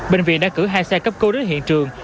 bệnh viện đã cử hai xe cấp cứu đến hiện trường